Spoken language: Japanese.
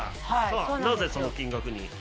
さあなぜその金額に？